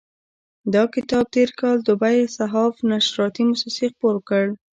دا کتاب تېر کال دوبی صحاف نشراتي موسسې خپور کړ.